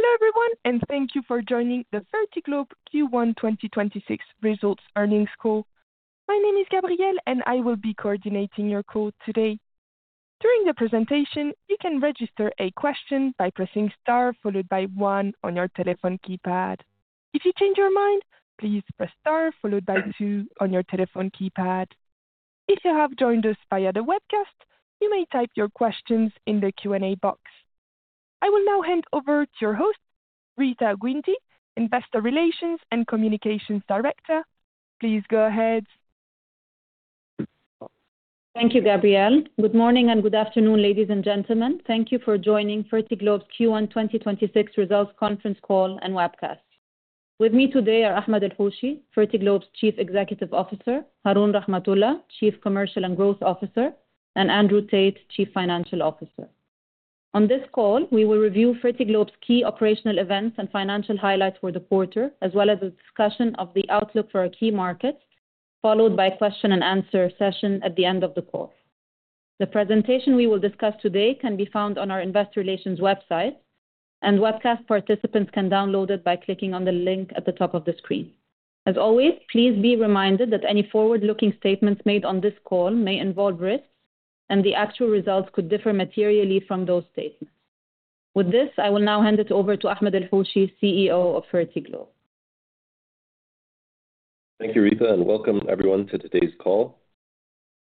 Hello, everyone, and thank you for joining the Fertiglobe Q1 2026 Results Earnings Call. My name is Gabrielle, and I will be coordinating your call today. During the presentation, you can register a question by pressing star followed by one on your telephone keypad. If you change your mind, please press star followed by two on your telephone keypad. If you have joined us via the webcast, you may type your questions in the Q&A box. I will now hand over to your host, Rita Guindy, Investor Relations and Communications Director. Please go ahead. Thank you, Gabrielle. Good morning and good afternoon, ladies and gentlemen. Thank you for joining Fertiglobe's Q1 2026 results conference call and webcast. With me today are Ahmed El-Hoshy, Fertiglobe's Chief Executive Officer, Haroon Rahmathulla, Chief Commercial and Growth Officer, and Andrew Tait, Chief Financial Officer. On this call, we will review Fertiglobe's key operational events and financial highlights for the quarter, as well as a discussion of the outlook for our key markets, followed by question and answer session at the end of the call. The presentation we will discuss today can be found on our Investor Relations website, and webcast participants can download it by clicking on the link at the top of the screen. As always, please be reminded that any forward-looking statements made on this call may involve risks, and the actual results could differ materially from those statements. With this, I will now hand it over to Ahmed El-Hoshy, CEO of Fertiglobe. Thank you, Rita, and welcome everyone to today's call.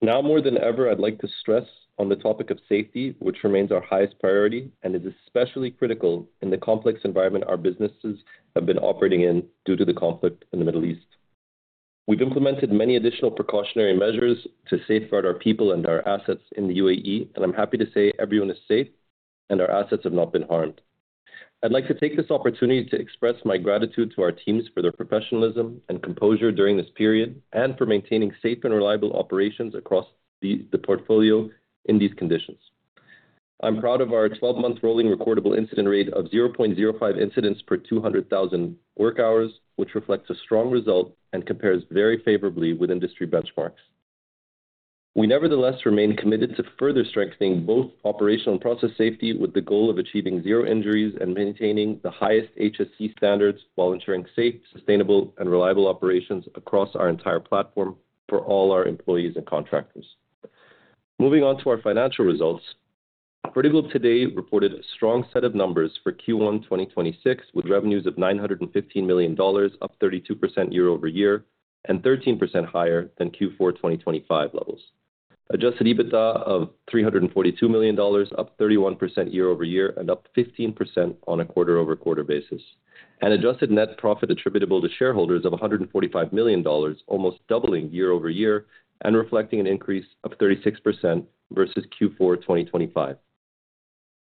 Now more than ever, I'd like to stress on the topic of safety, which remains our highest priority and is especially critical in the complex environment our businesses have been operating in due to the conflict in the Middle East. We've implemented many additional precautionary measures to safeguard our people and our assets in the U.A.E., and I'm happy to say everyone is safe and our assets have not been harmed. I'd like to take this opportunity to express my gratitude to our teams for their professionalism and composure during this period, and for maintaining safe and reliable operations across the portfolio in these conditions. I'm proud of our 12-month rolling recordable incident rate of 0.05 incidents per 200,000 work hours, which reflects a strong result and compares very favorably with industry benchmarks. We nevertheless remain committed to further strengthening both operational and process safety with the goal of achieving zero injuries and maintaining the highest HSE standards while ensuring safe, sustainable, and reliable operations across our entire platform for all our employees and contractors. Moving on to our financial results. Fertiglobe today reported a strong set of numbers for Q1 2026, with revenues of $915 million, up 32% year-over-year and 13% higher than Q4 2025 levels. Adjusted EBITDA of $342 million, up 31% year-over-year and up 15% on a quarter-over-quarter basis. Adjusted net profit attributable to shareholders of $145 million, almost doubling year-over-year and reflecting an increase of 36% versus Q4 2025.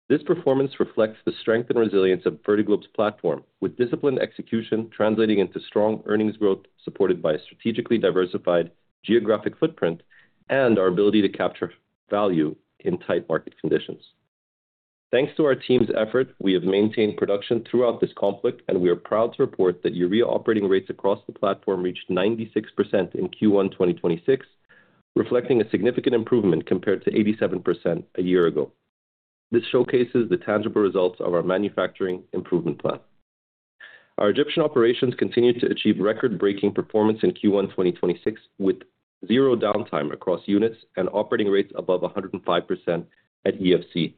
This performance reflects the strength and resilience of Fertiglobe's platform, with disciplined execution translating into strong earnings growth supported by a strategically diversified geographic footprint and our ability to capture value in tight market conditions. Thanks to our team's effort, we have maintained production throughout this conflict. We are proud to report that urea operating rates across the platform reached 96% in Q1 2026, reflecting a significant improvement compared to 87% a year ago. This showcases the tangible results of our Manufacturing Improvement Plan. Our Egyptian operations continued to achieve record-breaking performance in Q1 2026, with zero downtime across units and operating rates above 105% at EFC.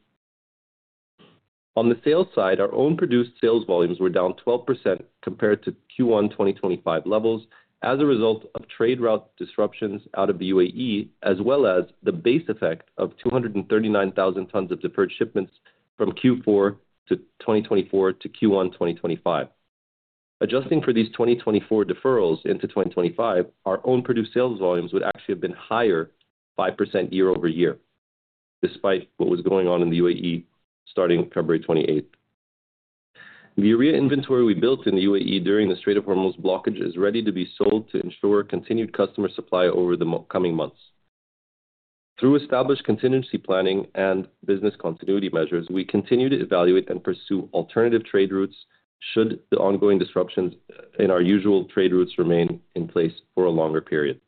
On the sales side, our own produced sales volumes were down 12% compared to Q1 2025 levels as a result of trade route disruptions out of the U.A.E., as well as the base effect of 239,000 tons of deferred shipments from Q4 2024 to Q1 2025. Adjusting for these 2024 deferrals into 2025, our own produced sales volumes would actually have been higher 5% year-over-year, despite what was going on in the U.A.E. starting February 28th. The urea inventory we built in the U.A.E. during the Strait of Hormuz blockage is ready to be sold to ensure continued customer supply over the coming months. Through established contingency planning and business continuity measures, we continue to evaluate and pursue alternative trade routes should the ongoing disruptions in our usual trade routes remain in place for a longer period.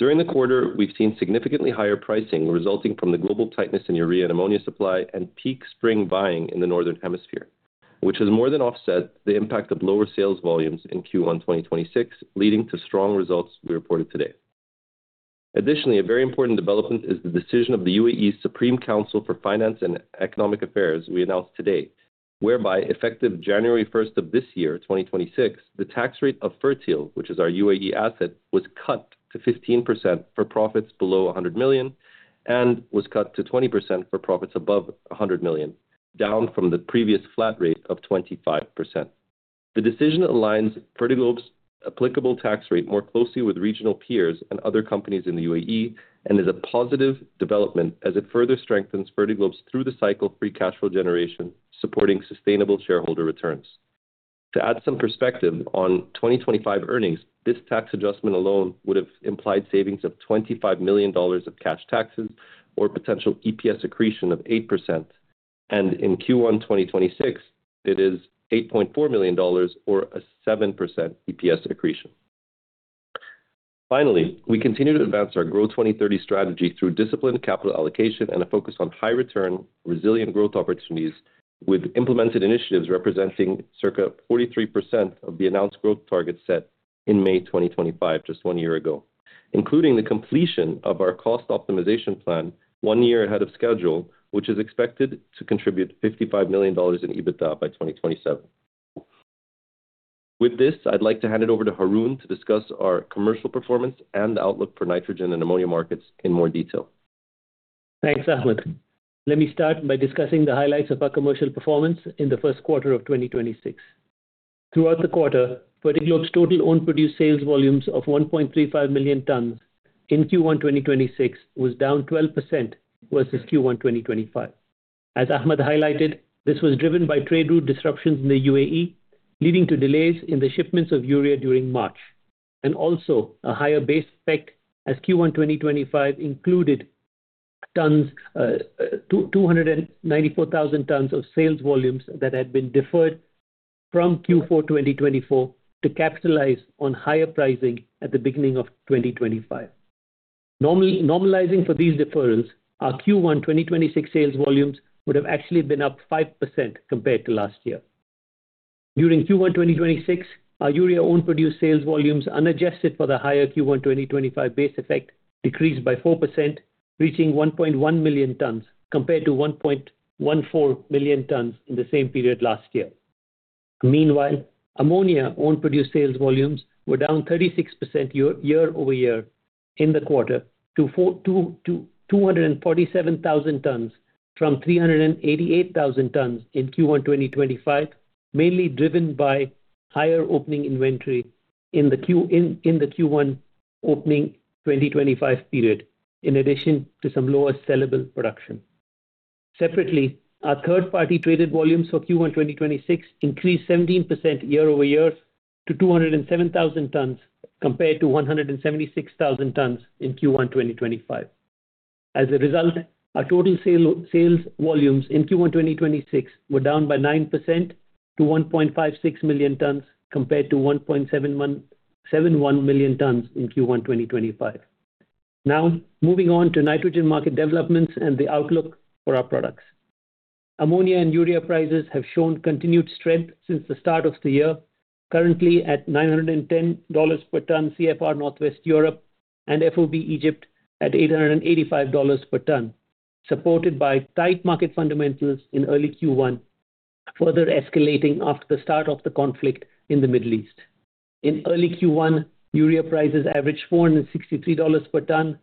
During the quarter, we've seen significantly higher pricing resulting from the global tightness in urea and ammonia supply and peak spring buying in the northern hemisphere, which has more than offset the impact of lower sales volumes in Q1 2026, leading to strong results we reported today. A very important development is the decision of the U.A.E. Supreme Council for Financial and Economic Affairs we announced today, whereby effective January 1st of this year, 2026, the tax rate of Fertil, which is our U.A.E. asset, was cut to 15% for profits below $100 million and was cut to 20% for profits above $100 million, down from the previous flat rate of 25%. The decision aligns Fertiglobe's applicable tax rate more closely with regional peers and other companies in the U.A.E. and is a positive development as it further strengthens Fertiglobe's through the cycle free cash flow generation, supporting sustainable shareholder returns. To add some perspective on 2025 earnings, this tax adjustment alone would have implied savings of $25 million of cash taxes or potential EPS accretion of 8%. In Q1 2026, it is $8.4 million or a 7% EPS accretion. Finally, we continue to advance our Grow 2030 strategy through disciplined capital allocation and a focus on high return, resilient growth opportunities with implemented initiatives representing circa 43% of the announced growth target set in May 2025, just one year ago, including the completion of our cost optimization plan one year ahead of schedule, which is expected to contribute $55 million in EBITDA by 2027. With this, I'd like to hand it over to Haroon to discuss our commercial performance and outlook for nitrogen and ammonia markets in more detail. Thanks, Ahmed. Let me start by discussing the highlights of our commercial performance in the first quarter of 2026. Throughout the quarter, Fertiglobe's total own produced sales volumes of 1.35 million tons in Q1 2026 was down 12% versus Q1 2025. As Ahmed highlighted, this was driven by trade route disruptions in the U.A.E., leading to delays in the shipments of urea during March, and also a higher base effect as Q1 2025 included 294,000 tons of sales volumes that had been deferred from Q4 2024 to capitalize on higher pricing at the beginning of 2025. Normalizing for these deferrals, our Q1 2026 sales volumes would have actually been up 5% compared to last year. During Q1 2026, our urea own produced sales volumes, unadjusted for the higher Q1 2025 base effect, decreased by 4%, reaching 1.1 million tons, compared to 1.14 million tons in the same period last year. Meanwhile, ammonia own produced sales volumes were down 36% year-over-year in the quarter to 247,000 tons from 388,000 tons in Q1 2025, mainly driven by higher opening inventory in the Q1 opening 2025 period, in addition to some lower sellable production. Separately, our third-party traded volumes for Q1 2026 increased 17% year-over-year to 207,000 tons compared to 176,000 tons in Q1 2025. As a result, our total sales volumes in Q1 2026 were down by 9% to 1.56 million tons compared to 1.71 million tons in Q1 2025. Now, moving on to nitrogen market developments and the outlook for our products. Ammonia and urea prices have shown continued strength since the start of the year, currently at $910 per ton CFR Northwest Europe and FOB Egypt at $885 per ton, supported by tight market fundamentals in early Q1, further escalating after the start of the conflict in the Middle East. In early Q1, urea prices averaged $463 per ton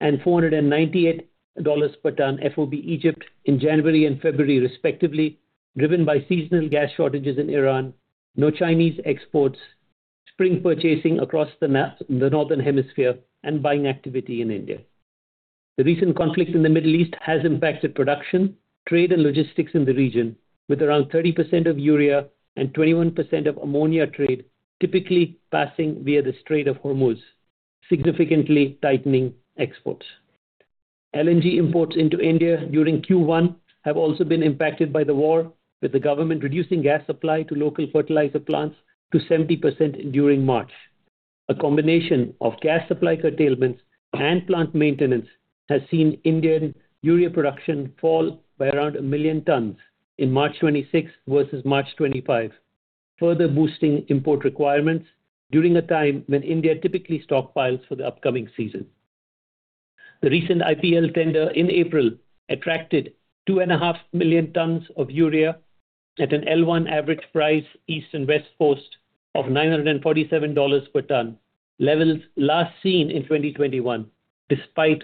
and $498 per ton FOB Egypt in January and February respectively, driven by seasonal gas shortages in Iran, no Chinese exports, spring purchasing across the northern hemisphere, and buying activity in India. The recent conflict in the Middle East has impacted production, trade, and logistics in the region, with around 30% of urea and 21% of ammonia trade typically passing via the Strait of Hormuz, significantly tightening exports. LNG imports into India during Q1 have also been impacted by the war, with the government reducing gas supply to local fertilizer plants to 70% during March. A combination of gas supply curtailments and plant maintenance has seen Indian urea production fall by around a million tons in March 2026 versus March 2025, further boosting import requirements during a time when India typically stockpiles for the upcoming season. The recent IPL tender in April attracted 2.5 million tons of urea at an L1 average price, east and west coast, of $947 per ton, levels last seen in 2021, despite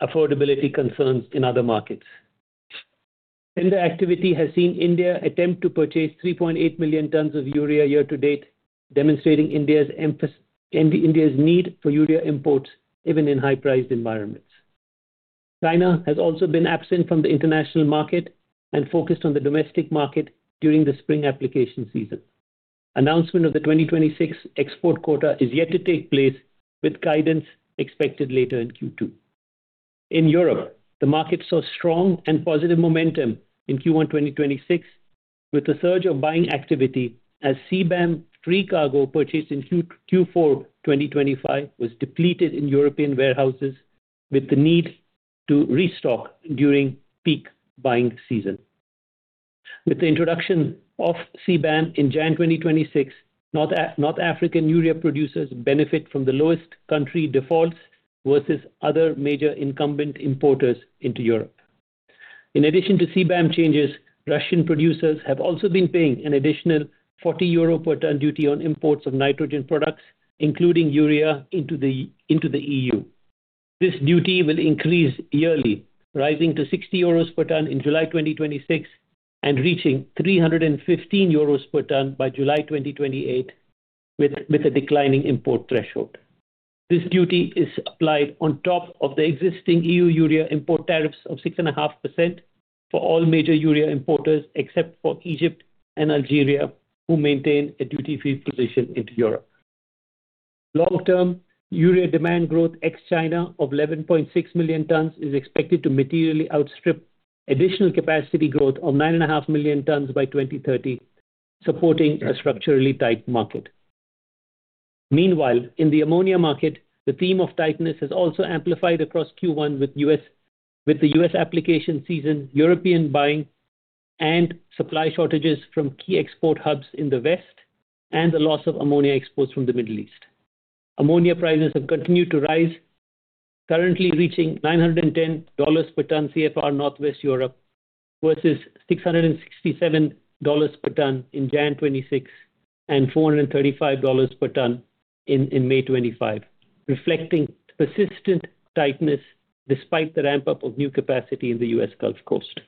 affordability concerns in other markets. Tender activity has seen India attempt to purchase 3.8 million tons of urea year to date, demonstrating India's need for urea imports even in high-priced environments. China has also been absent from the international market and focused on the domestic market during the spring application season. Announcement of the 2026 export quota is yet to take place, with guidance expected later in Q2. In Europe, the market saw strong and positive momentum in Q1 2026, with a surge of buying activity as CBAM free cargo purchased in Q4 2025 was depleted in European warehouses with the need to restock during peak buying season. With the introduction of CBAM in January 2026, North African urea producers benefit from the lowest country defaults versus other major incumbent importers into Europe. In addition to CBAM changes, Russian producers have also been paying an additional 40 euro per ton duty on imports of nitrogen products, including urea, into the EU. This duty will increase yearly, rising to 60 euros per ton in July 2026 and reaching 315 euros per ton by July 2028 with a declining import threshold. This duty is applied on top of the existing EU urea import tariffs of 6.5% for all major urea importers, except for Egypt and Algeria, who maintain a duty-free position into Europe. Long term, urea demand growth ex-China of 11.6 million tons is expected to materially outstrip additional capacity growth of 9.5 million tons by 2030, supporting a structurally tight market. Meanwhile, in the ammonia market, the theme of tightness has also amplified across Q1 with the U.S. application season, European buying and supply shortages from key export hubs in the West, and the loss of ammonia exports from the Middle East. Ammonia prices have continued to rise, currently reaching $910 per ton CFR Northwest Europe versus $667 per ton in Jan 2026, and $435 per ton in May 2025, reflecting persistent tightness despite the ramp-up of new capacity in the U.S. Gulf Coast.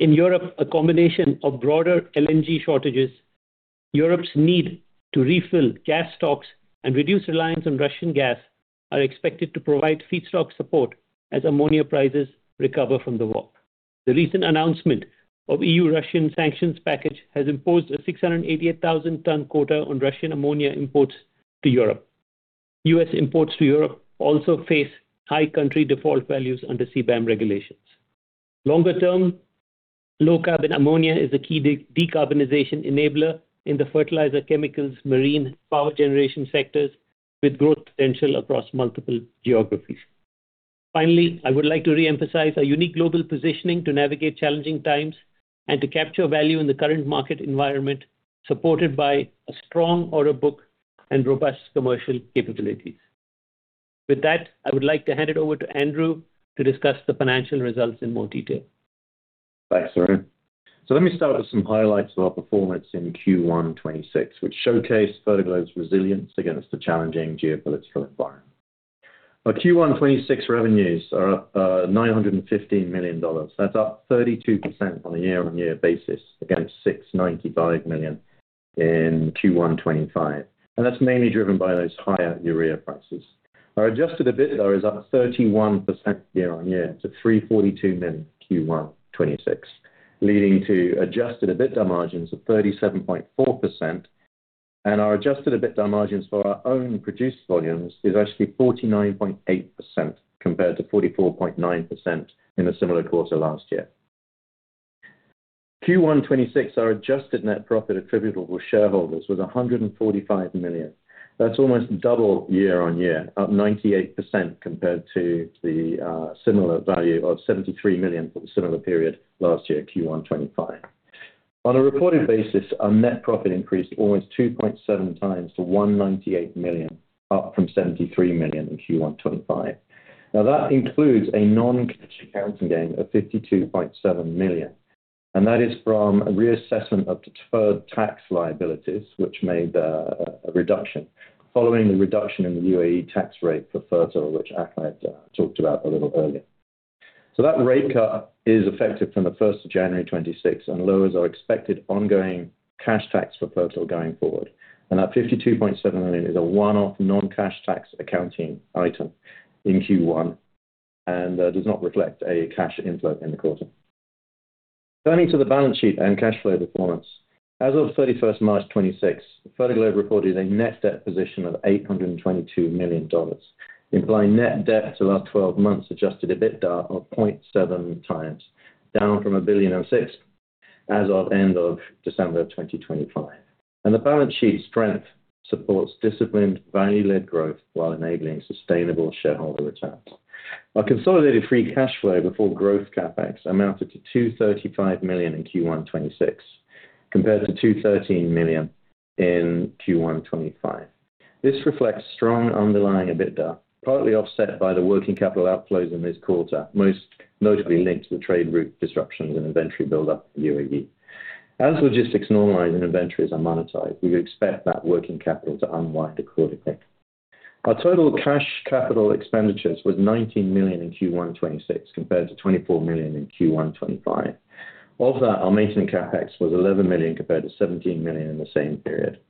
In Europe, a combination of broader LNG shortages, Europe's need to refill gas stocks and reduce reliance on Russian gas are expected to provide feedstock support as ammonia prices recover from the war. The recent announcement of EU Russian sanctions package has imposed a 688,000 ton quota on Russian ammonia imports to Europe. U.S. imports to Europe also face high country default values under CBAM regulations. Longer term, low-carbon ammonia is a key decarbonization enabler in the fertilizer, chemicals, marine, power generation sectors, with growth potential across multiple geographies. I would like to re-emphasize our unique global positioning to navigate challenging times and to capture value in the current market environment, supported by a strong order book and robust commercial capabilities. With that, I would like to hand it over to Andrew to discuss the financial results in more detail. Thanks, Haroon. Let me start with some highlights of our performance in Q1 2026, which showcased Fertiglobe's resilience against the challenging geopolitical environment. Our Q1 2026 revenues are up $915 million. That's up 32% on a year-on-year basis against $695 million in Q1 2025, and that's mainly driven by those higher urea prices. Our adjusted EBITDA though is up 31% year-on-year to $342 million Q1 2026, leading to adjusted EBITDA margins of 37.4%. Our adjusted EBITDA margins for our own produced volumes is actually 49.8% compared to 44.9% in a similar quarter last year. Q1 2026, our adjusted net profit attributable to shareholders was $145 million. That's almost double year-on-year, up 98% compared to the similar value of $73 million for the similar period last year, Q1 2025. On a reported basis, our net profit increased almost 2.7 times to $198 million, up from $73 million in Q1 2025. That includes a non-cash accounting gain of $52.7 million, and that is from a reassessment of deferred tax liabilities, which made a reduction following the reduction in the U.A.E. tax rate for Fertil, which Ahmed talked about a little earlier. That rate cut is effective from the 1st of January 2026 and lowers our expected ongoing cash tax for Fertil going forward. That $52.7 million is a one-off non-cash tax accounting item in Q1 and does not reflect a cash inflow in the quarter. Turning to the balance sheet and cash flow performance. As of 31st March 2026, Fertiglobe reported a net debt position of $822 million, implying net debt to our 12 months adjusted EBITDA of 0.7 times, down from $1.006 billion as of end of December 2025. The balance sheet strength supports disciplined value-led growth while enabling sustainable shareholder returns. Our consolidated free cash flow before growth CapEx amounted to $235 million in Q1 2026, compared to $213 million in Q1 2025. This reflects strong underlying EBITDA, partly offset by the working capital outflows in this quarter, most notably linked to the trade route disruptions and inventory buildup in the U.A.E. As logistics normalize and inventories are monetized, we would expect that working capital to unwind accordingly. Our total cash capital expenditures was $19 million in Q1 2026, compared to $24 million in Q1 2025. Of that, our maintenance CapEx was $11 million compared to $17 million in the same period.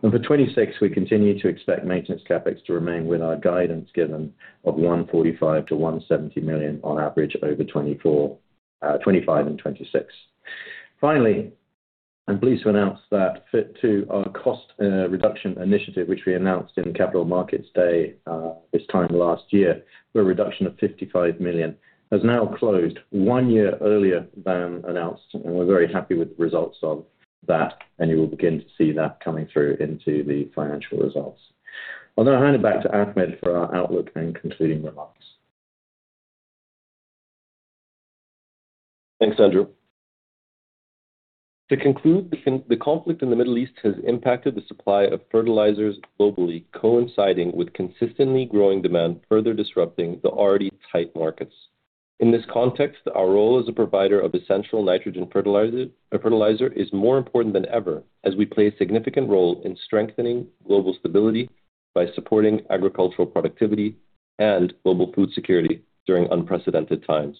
For 2026, we continue to expect maintenance CapEx to remain with our guidance given of $145 million-$170 million on average over 2024, 2025, and 2026. Finally, I'm pleased to announce that Fit II, our cost reduction initiative, which we announced in Capital Markets Day this time last year, where a reduction of $55 million has now closed one year earlier than announced, and we're very happy with the results of that, and you will begin to see that coming through into the financial results. I'll now hand it back to Ahmed for our outlook and concluding remarks. Thanks, Andrew. To conclude, the conflict in the Middle East has impacted the supply of fertilizers globally, coinciding with consistently growing demand, further disrupting the already tight markets. In this context, our role as a provider of essential nitrogen fertilizer is more important than ever as we play a significant role in strengthening global stability by supporting agricultural productivity and global food security during unprecedented times.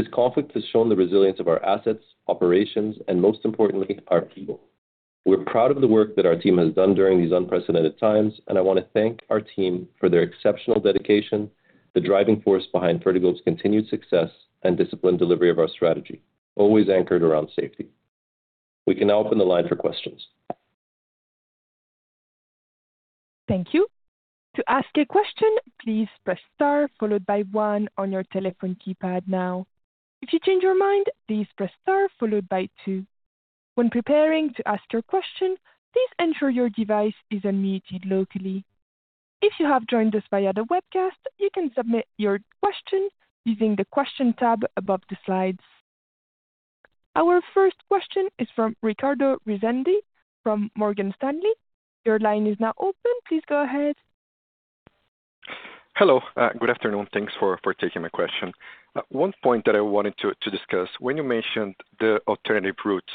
This conflict has shown the resilience of our assets, operations, and most importantly, our people. We're proud of the work that our team has done during these unprecedented times, and I want to thank our team for their exceptional dedication, the driving force behind Fertiglobe's continued success and disciplined delivery of our strategy, always anchored around safety. We can now open the line for questions. Thank you. Our first question is from Ricardo Rezende from Morgan Stanley. Your line is now open. Please go ahead. Hello. Good afternoon. Thanks for taking my question. 1 point that I wanted to discuss, when you mentioned the alternative routes,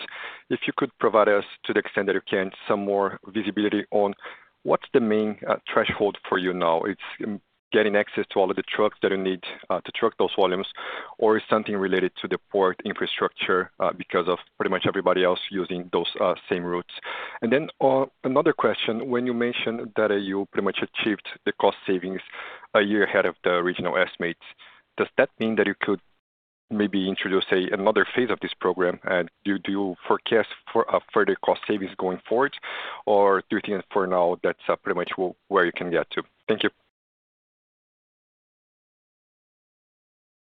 if you could provide us to the extent that you can, some more visibility on what's the main threshold for you now? It's getting access to all of the trucks that you need to truck those volumes or something related to the port infrastructure, because of pretty much everybody else using those same routes. Then, another question. When you mentioned that you pretty much achieved the cost savings a year ahead of the original estimates, does that mean that you could maybe introduce, say, another phase of this program? Do you do forecasts for a further cost savings going forward, or do you think that for now that's pretty much where you can get to? Thank you.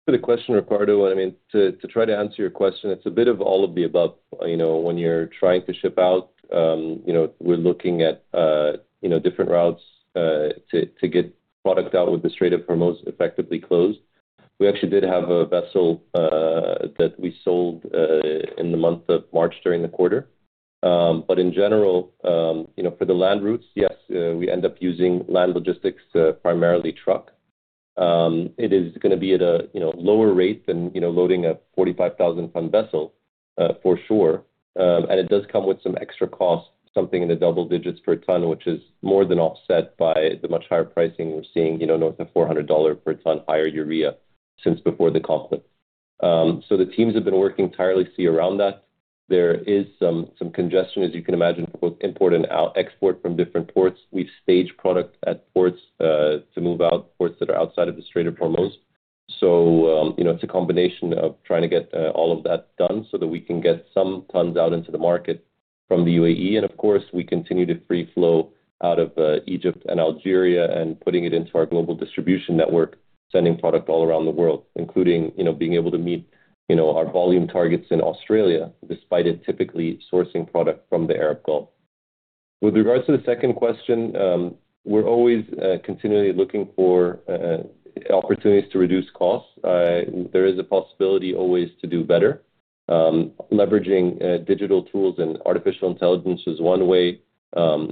For the question, Ricardo, I mean, to try to answer your question, it's a bit of all of the above. You know, when you're trying to ship out, you know, we're looking at, you know, different routes to get product out with the Strait of Hormuz effectively closed. We actually did have a vessel that we sold in the month of March during the quarter. In general, you know, for the land routes, yes, we end up using land logistics, primarily truck. It is gonna be at a, you know, lower rate than, you know, loading a 45,000 ton vessel, for sure. It does come with some extra costs, something in the double digits per ton, which is more than offset by the much higher pricing we're seeing, you know, north of $400 per ton higher urea since before the conflict. The teams have been working tirelessly around that. There is some congestion, as you can imagine, for both import and export from different ports. We've staged product at ports to move out ports that are outside of the Strait of Hormuz. You know, it's a combination of trying to get all of that done so that we can get some tons out into the market from the U.A.E. Of course, we continue to free flow out of Egypt and Algeria and putting it into our global distribution network, sending product all around the world, including, you know, being able to meet, you know, our volume targets in Australia, despite it typically sourcing product from the Arab Gulf. With regards to the second question, we're always continually looking for opportunities to reduce costs. There is a possibility always to do better. Leveraging digital tools and artificial intelligence is one way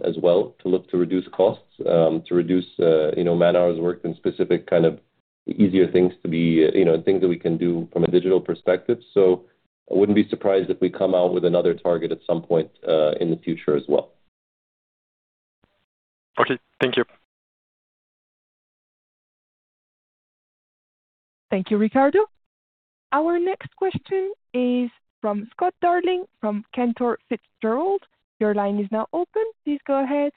as well to look to reduce costs, to reduce, you know, man-hours worked in specific kind of easier things to be, you know, things that we can do from a digital perspective. I wouldn't be surprised if we come out with another target at some point in the future as well. Okay. Thank you. Thank you, Ricardo. Our next question is from Scott Darling from Cantor Fitzgerald. Your line is now open. Please go ahead.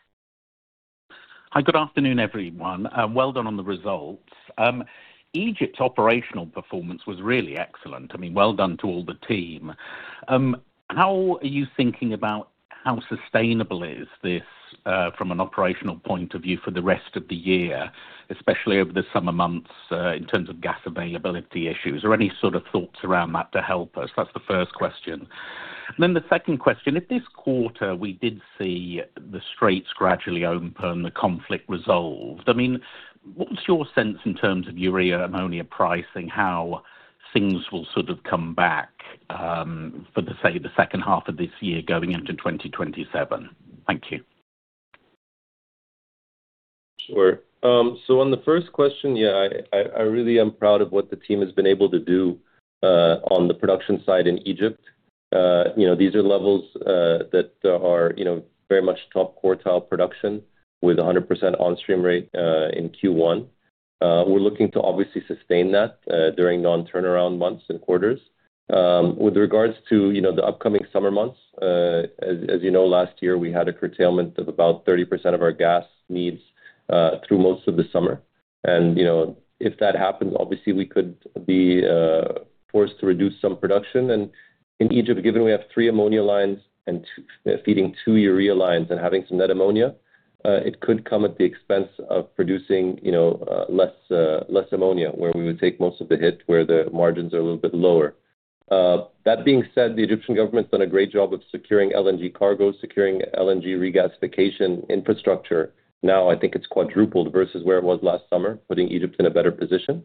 Hi. Good afternoon, everyone. Well done on the results. Egypt's operational performance was really excellent. I mean, well done to all the team. How are you thinking about how sustainable is this from an operational point of view for the rest of the year, especially over the summer months, in terms of gas availability issues or any sort of thoughts around that to help us? That's the first question. The second question. If this quarter we did see the straits gradually open, the conflict resolved, I mean, what's your sense in terms of urea ammonia pricing, how things will sort of come back for, say, the second half of this year going into 2027? Thank you. Sure. So on the first question, yeah, I really am proud of what the team has been able to do on the production side in Egypt. These are levels that are, you know, very much top quartile production with a 100% on stream rate in Q1. We're looking to obviously sustain that during non-turnaround months and quarters. With regards to, you know, the upcoming summer months, as you know, last year, we had a curtailment of about 30% of our gas needs through most of the summer. You know, if that happens, obviously we could be forced to reduce some production. In Egypt, given we have three ammonia lines and feeding two urea lines and having some net ammonia, it could come at the expense of producing, you know, less ammonia, where we would take most of the hit, where the margins are a little bit lower. That being said, the Egyptian government's done a great job of securing LNG cargo, securing LNG regasification infrastructure. Now I think it's quadrupled versus where it was last summer, putting Egypt in a better position.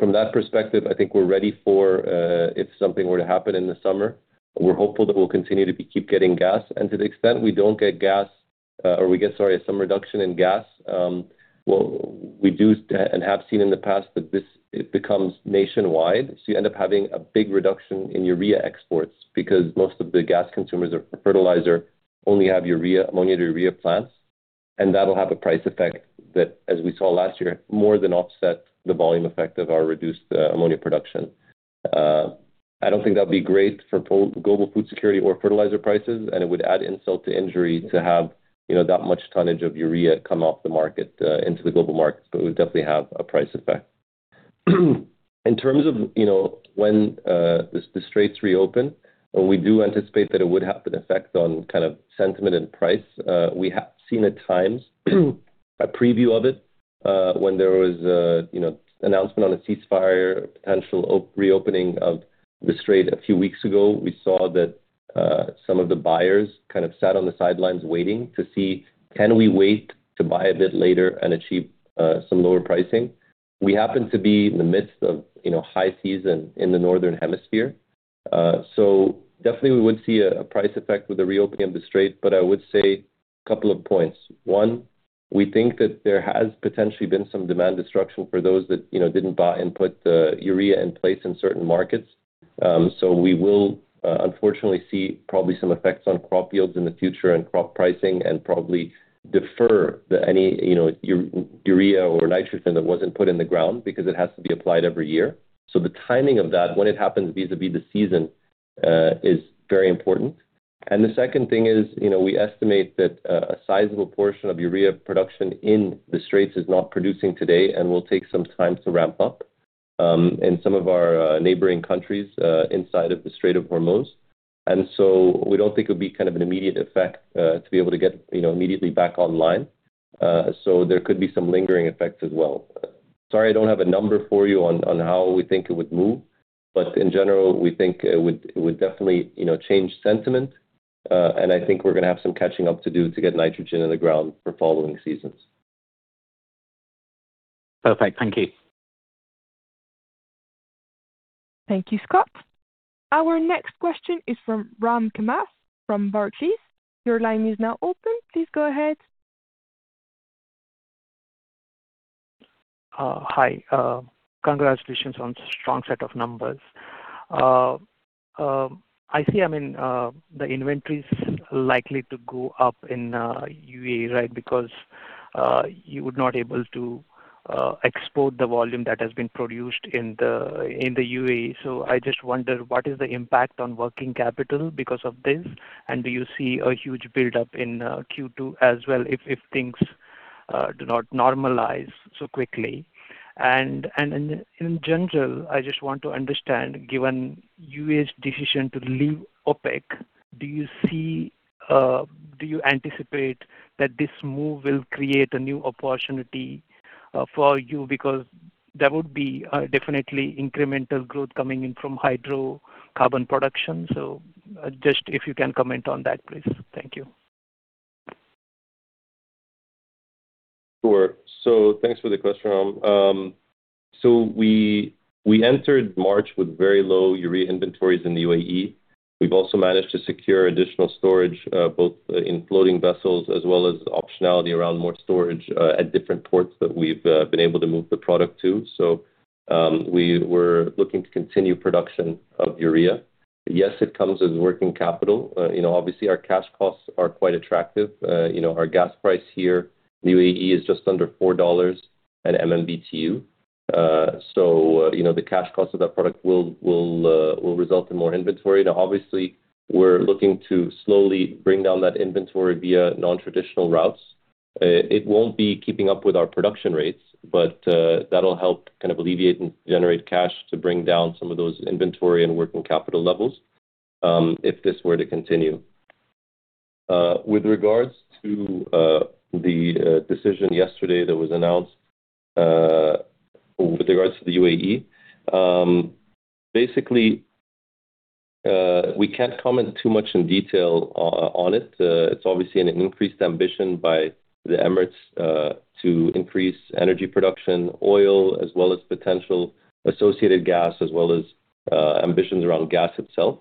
From that perspective, I think we're ready for if something were to happen in the summer. We're hopeful that we'll continue to keep getting gas. To the extent we don't get gas, or we get, sorry, some reduction in gas, well, we do and have seen in the past that this it becomes nationwide. You end up having a big reduction in urea exports because most of the gas consumers or fertilizer only have urea, ammonia to urea plants. That will have a price effect that, as we saw last year, more than offset the volume effect of our reduced ammonia production. I don't think that'd be great for global food security or fertilizer prices, and it would add insult to injury to have, you know, that much tonnage of urea come off the market into the global markets, but it would definitely have a price effect. In terms of, you know, when the straits reopen, we do anticipate that it would have an effect on kind of sentiment and price. We have seen at times a preview of it, when there was a, you know, announcement on a ceasefire, potential reopening of the strait a few weeks ago. We saw that some of the buyers kind of sat on the sidelines waiting to see can we wait to buy a bit later and achieve some lower pricing. We happen to be in the midst of, you know, high season in the northern hemisphere. Definitely we would see a price effect with the reopening of the strait, but I would say a couple of points. One, we think that there has potentially been some demand destruction for those that, you know, didn't buy and put the Urea in place in certain markets. We will, unfortunately see probably some effects on crop yields in the future and crop pricing and probably defer the any, you know, urea or nitrogen that wasn't put in the ground because it has to be applied every year. The timing of that, when it happens vis-à-vis the season, is very important. The second thing is, you know, we estimate that a sizable portion of urea production in the strait is not producing today and will take some time to ramp up in some of our neighboring countries inside of the Strait of Hormuz. We don't think it'll be kind of an immediate effect to be able to get, you know, immediately back online. There could be some lingering effects as well. Sorry I don't have a number for you on how we think it would move, but in general, we think it would, it would definitely, you know, change sentiment. I think we're gonna have some catching up to do to get nitrogen in the ground for following seasons. Perfect. Thank you. Thank you, Scott. Our next question is from Ram Kumar from Barclays. Your line is now open. Please go ahead. Hi. Congratulations on strong set of numbers. I see, I mean, the inventory's likely to go up in U.A.E., right? Because you would not able to export the volume that has been produced in the U.A.E. I just wonder what is the impact on working capital because of this, and do you see a huge buildup in Q2 as well if things do not normalize so quickly? In general, I just want to understand, given U.S. decision to leave OPEC, do you see, do you anticipate that this move will create a new opportunity for you? Because there would be definitely incremental growth coming in from hydrocarbon production. Just if you can comment on that, please. Thank you. Thanks for the question, Ram. We entered March with very low urea inventories in the U.A.E. We've also managed to secure additional storage, both in floating vessels as well as optionality around more storage at different ports that we've been able to move the product to. We were looking to continue production of urea. Yes, it comes as working capital. You know, obviously our cash costs are quite attractive. You know, our gas price here in U.A.E. is just under $4 an MMBTU. You know, the cash cost of that product will result in more inventory. Now obviously, we're looking to slowly bring down that inventory via non-traditional routes. It won't be keeping up with our production rates, but that'll help kind of alleviate and generate cash to bring down some of those inventory and working capital levels, if this were to continue. With regards to the decision yesterday that was announced with regards to the U.A.E., basically, we can't comment too much in detail on it. It's obviously an increased ambition by the Emirates to increase energy production, oil, as well as potential associated gas, as well as ambitions around gas itself.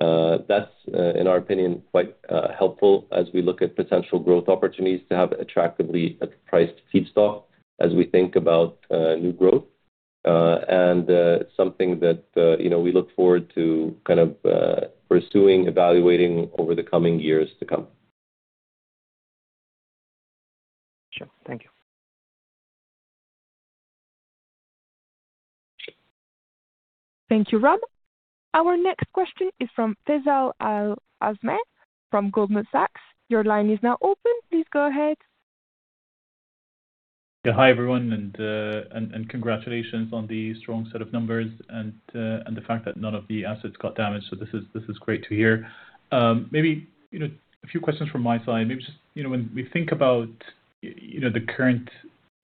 That's in our opinion, quite helpful as we look at potential growth opportunities to have attractively priced feedstock as we think about new growth. And it's something that, you know, we look forward to kind of pursuing, evaluating over the coming years to come. Sure. Thank you. Thank you, Ram. Our next question is from Faisal Al Azmeh from Goldman Sachs. Your line is now open. Please go ahead. Yeah. Hi, everyone, and congratulations on the strong set of numbers and the fact that none of the assets got damaged. This is great to hear. Maybe, you know, a few questions from my side. Maybe just, you know, when we think about, you know, the current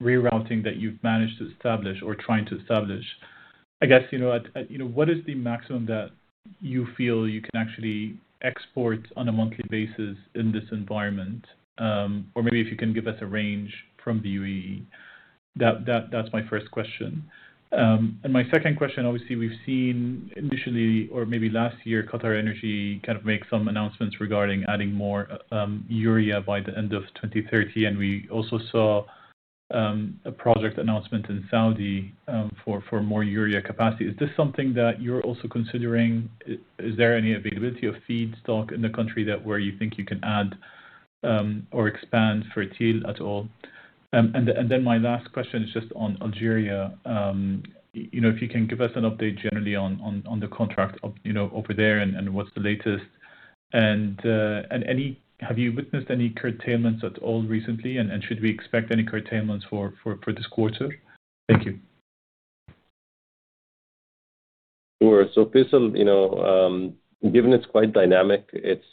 rerouting that you've managed to establish or trying to establish, I guess, you know, what is the maximum that you feel you can actually export on a monthly basis in this environment? Maybe if you can give us a range from the U.A.E. That's my first question. My second question, obviously we've seen initially or maybe last year, QatarEnergy kind of make some announcements regarding adding more urea by the end of 2030, and we also saw a project announcement in Saudi for more urea capacity. Is this something that you're also considering? Is there any availability of feedstock in the country that where you think you can add or expand Fertil at all? My last question is just on Algeria. You know, if you can give us an update generally on the contract up, you know, over there and what's the latest. Have you witnessed any curtailments at all recently and should we expect any curtailments for this quarter? Thank you. Sure. Faisal, you know, given it's quite dynamic, it's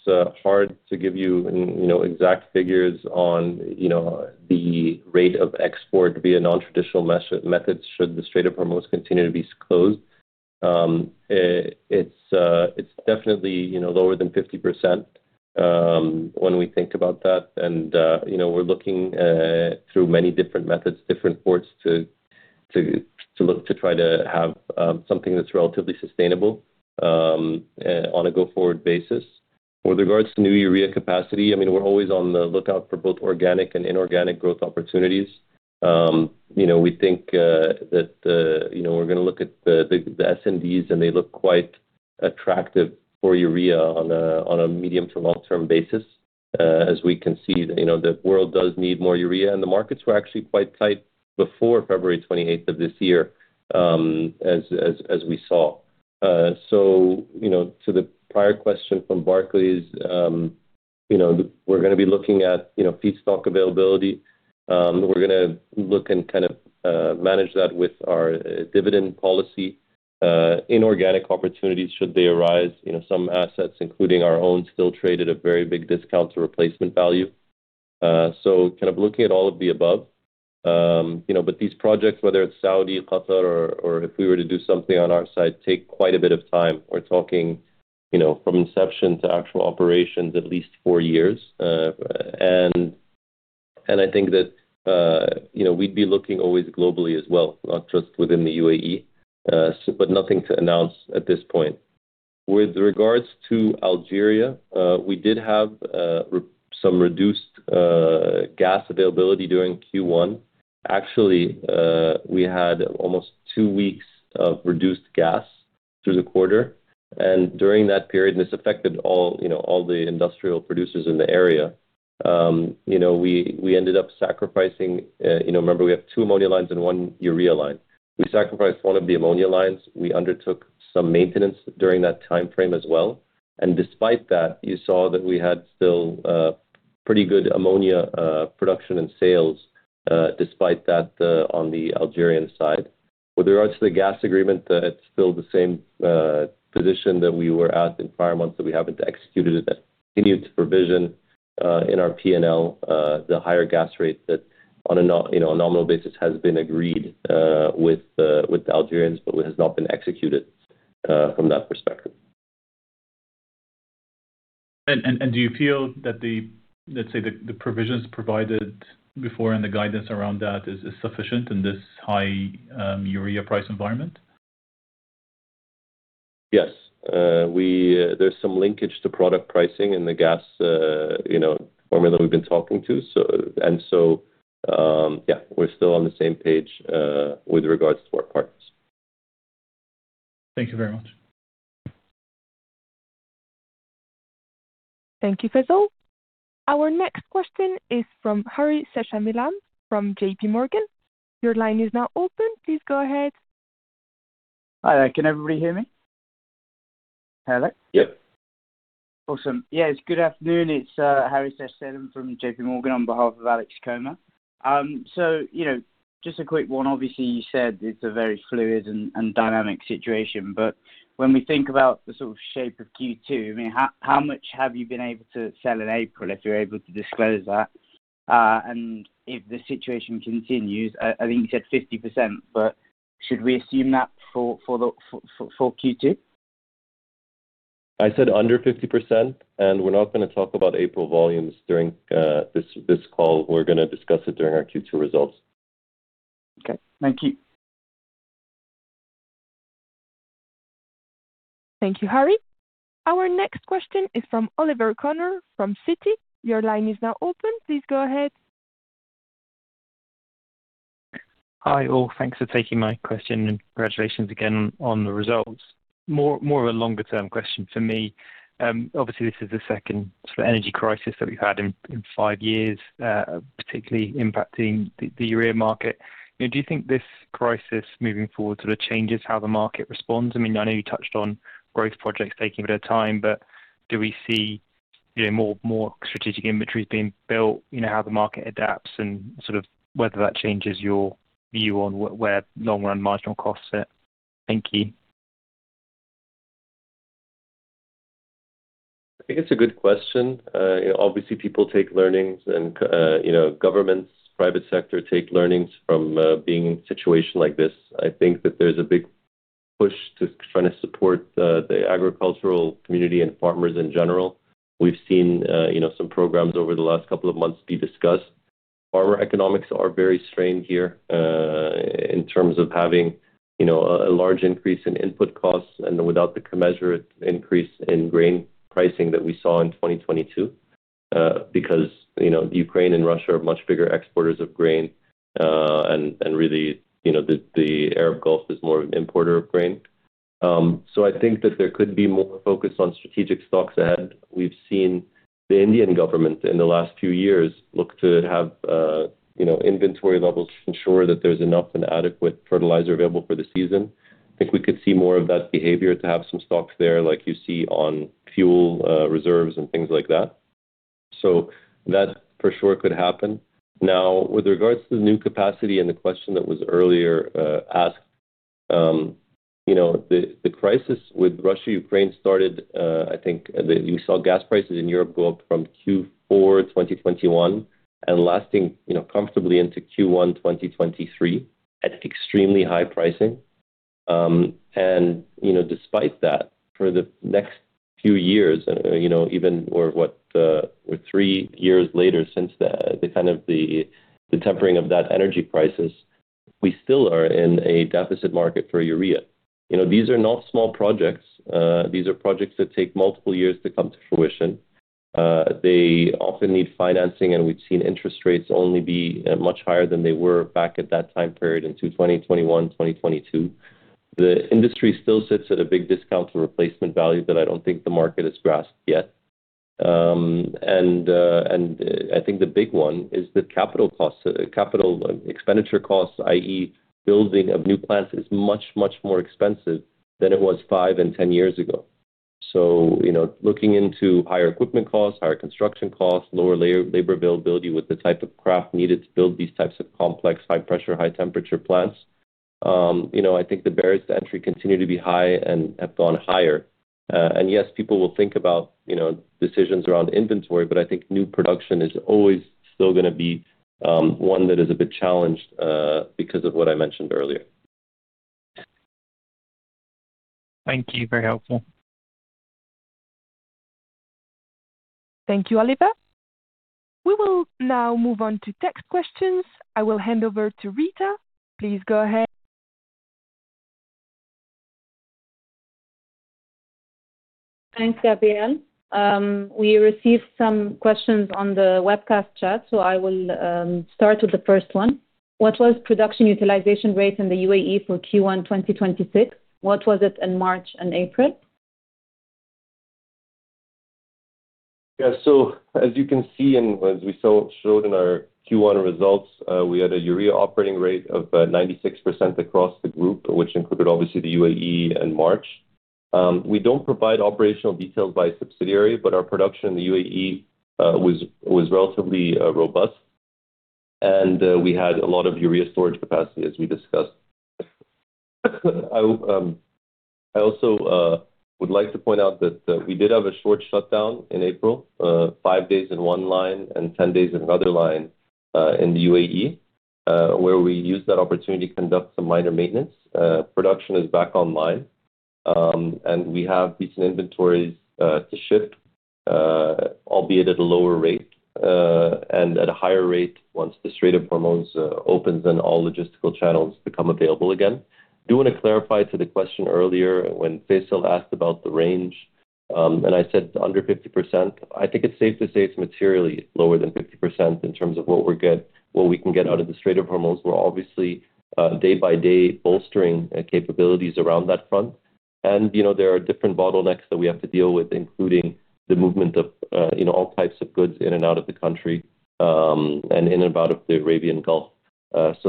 hard to give you know, exact figures on, you know, the rate of export via non-traditional methods should the Strait of Hormuz continue to be closed. It's definitely, you know, lower than 50% when we think about that. You know, we're looking through many different methods, different ports to look to try to have something that's relatively sustainable on a go-forward basis. With regards to new urea capacity, I mean, we're always on the lookout for both organic and inorganic growth opportunities. You know, we think that, you know, we're gonna look at the S&D and they look quite attractive for urea on a medium to long-term basis, as we can see that, you know, the world does need more urea. The markets were actually quite tight before February 28th of this year, as we saw. You know, to the prior question from Barclays, you know, we're gonna be looking at, you know, feedstock availability. We're gonna look and kind of manage that with our dividend policy. Inorganic opportunities should they arise, you know, some assets, including our own, still trade at a very big discount to replacement value. Kind of looking at all of the above. You know, these projects, whether it's Saudi, Qatar or if we were to do something on our side, take quite a bit of time. We're talking, you know, from inception to actual operations, at least four years. I think that, you know, we'd be looking always globally as well, not just within the U.A.E. Nothing to announce at this point. With regards to Algeria, we did have some reduced gas availability during Q1. Actually, we had almost two weeks of reduced gas through the quarter. During that period, and this affected all, you know, all the industrial producers in the area, you know, we ended up sacrificing. You know, remember we have two ammonia lines and one urea line. We sacrificed one of the ammonia lines. We undertook some maintenance during that timeframe as well. Despite that, you saw that we had still pretty good ammonia production and sales despite that on the Algerian side. With regards to the gas agreement, it's still the same position that we were at in prior months that we haven't executed it yet. Continue to provision in our P&L the higher gas rates that on a you know, on a nominal basis has been agreed with with the Algerians but has not been executed from that perspective. Do you feel that the, let's say, the provisions provided before and the guidance around that is sufficient in this high, urea price environment? Yes. There's some linkage to product pricing in the gas, you know, formula we've been talking to. Yeah, we're still on the same page with regards to our partners. Thank you very much. Thank you, Faisal. Our next question is from Hari Seshasailam from JPMorgan. Your line is now open. Please go ahead. Hi there. Can everybody hear me? Hello? Yep. Awesome. Yes, good afternoon. It's Hari Seshasailam from JPMorgan on behalf of Alex Comer. You know, just a quick one, obviously, you said it's a very fluid and dynamic situation, but when we think about the sort of shape of Q2, I mean, how much have you been able to sell in April, if you're able to disclose that? If the situation continues, I think you said 50%, but should we assume that for Q2? I said under 50%. We're not gonna talk about April volumes during this call. We're gonna discuss it during our Q2 results. Okay. Thank you. Thank you, Hari. Our next question is from Oliver Connor from Citi. Your line is now open. Please go ahead. Hi, all. Thanks for taking my question, and congratulations again on the results. More of a longer term question for me. Obviously this is the second sort of energy crisis that we've had in five years, particularly impacting the urea market. You know, do you think this crisis moving forward sort of changes how the market responds? I mean, I know you touched on growth projects taking a bit of time, but do we see, you know, more strategic inventories being built, you know, how the market adapts and sort of whether that changes your view on where long run marginal costs sit? Thank you. I think it's a good question. You know, obviously people take learnings and, you know, governments, private sector take learnings from being in a situation like this. I think that there's a big push to trying to support the agricultural community and farmers in general. We've seen, you know, some programs over the last 2 months be discussed. Farmer economics are very strained here, in terms of having, you know, a large increase in input costs and without the commensurate increase in grain pricing that we saw in 2022, because, you know, Ukraine and Russia are much bigger exporters of grain. Really, you know, the Arab Gulf is more importer of grain. I think that there could be more focus on strategic stocks ahead. We've seen the Indian government in the last few years look to have, you know, inventory levels to ensure that there's enough and adequate fertilizer available for the season. I think we could see more of that behavior to have some stocks there like you see on fuel, reserves and things like that. That for sure could happen. Now, with regards to the new capacity and the question that was earlier asked, you know, the crisis with Russia, Ukraine started, I think you saw gas prices in Europe go up from Q4 2021 and lasting, you know, comfortably into Q1 2023 at extremely high pricing. You know, despite that, for the next few years, you know, even or three years later since the kind of the tempering of that energy prices, we still are in a deficit market for urea. You know, these are not small projects. These are projects that take multiple years to come to fruition. They often need financing, and we've seen interest rates only be much higher than they were back at that time period in 2021, 2022. The industry still sits at a big discount to replacement value that I don't think the market has grasped yet. I think the big one is the capital costs. Capital expenditure costs, i.e., building of new plants is much, much more expensive than it was five and 10 years ago. You know, looking into higher equipment costs, higher construction costs, lower labor availability with the type of craft needed to build these types of complex high pressure, high temperature plants, you know, I think the barriers to entry continue to be high and have gone higher. Yes, people will think about, you know, decisions around inventory, but I think new production is always still gonna be one that is a bit challenged because of what I mentioned earlier. Thank you. Very helpful. Thank you, Oliver. We will now move on to text questions. I will hand over to Rita. Please go ahead. Thanks, Gabrielle. We received some questions on the webcast chat, so I will start with the first one. What was production utilization rates in the U.A.E. for Q1, 2026? What was it in March and April? Yeah. As you can see, and as we showed in our Q1 results, we had a urea operating rate of 96% across the group, which included obviously the U.A.E. In March. We don't provide operational details by subsidiary, but our production in the U.A.E. was relatively robust. We had a lot of urea storage capacity, as we discussed. I also would like to point out that we did have a short shutdown in April, five days in one line and 10 days in another line, in the U.A.E., where we used that opportunity to conduct some minor maintenance. Production is back online, and we have decent inventories to ship, albeit at a lower rate, and at a higher rate once the Strait of Hormuz opens and all logistical channels become available again. Do want to clarify to the question earlier when Faisal asked about the range, and I said under 50%. I think it's safe to say it's materially lower than 50% in terms of what we can get out of the Strait of Hormuz. We're obviously day by day bolstering capabilities around that front. You know, there are different bottlenecks that we have to deal with, including the movement of all types of goods in and out of the country, and in and out of the Arabian Gulf.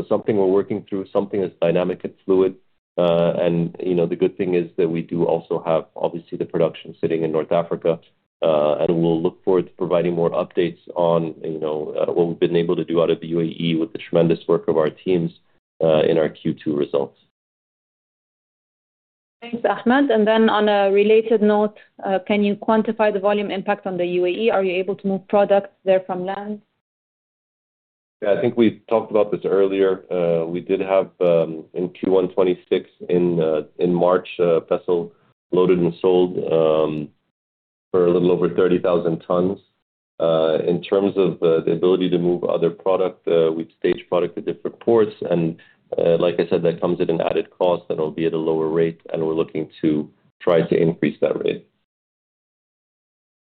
Something we're working through, something that's dynamic and fluid. The good thing is that we do also have obviously the production sitting in North Africa, and we'll look forward to providing more updates on what we've been able to do out of the U.A.E. with the tremendous work of our teams in our Q2 results. Thanks, Ahmed. On a related note, can you quantify the volume impact on the U.A.E.? Are you able to move products there from land? Yeah. I think we talked about this earlier. We did have in Q1, 2026 in March, vessel loaded and sold for a little over 30,000 tons. In terms of the ability to move other product, we've staged product at different ports and, like I said, that comes at an added cost that will be at a lower rate, and we're looking to try to increase that rate.